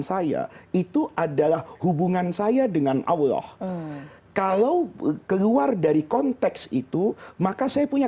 saya itu adalah hubungan saya dengan allah kalau keluar dari konteks itu maka saya punya